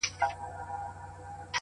ورباندي پايمه په دوو سترگو په څو رنگه؛